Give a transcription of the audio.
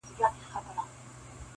څوك به بولي له آمو تر اباسينه-